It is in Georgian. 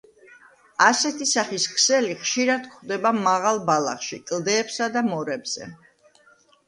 ასეთი სახის ქსელი ხშირად გვხვდება მაღალ ბალახში, კლდეებსა და მორებზე.